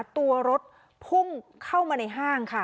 ตัวรถพุ่งเข้ามาในห้างค่ะ